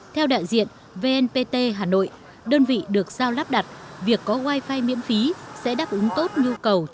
theo đại diện vnpt hà nội đơn vị được giao lắp đặt việc có wifi miễn phí sẽ đáp ứng tốt nhu cầu